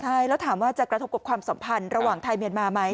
ใช่แล้วถามว่าจะกระทบกับความสัมพันธ์ระหว่างไทยเมียนมาไหม